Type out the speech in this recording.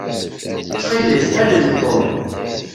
Ttxil-k, alel Tom.